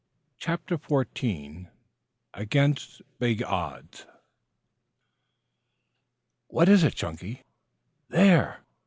CHAPTER XIV AGAINST BIG ODDS "What is it, Chunky?" "There!"